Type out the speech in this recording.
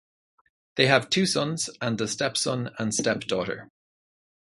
They have two sons, and a stepson and step daughter.